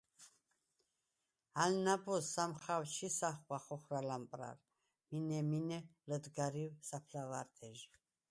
ალ ნა̈ბოზს ამხა̄ვ ჩი̄ ახღვა ხოხვრა ლამპრა̈ლ, მინე-მინე ლჷდგარვი̄ საფლავა̈რთეჟი.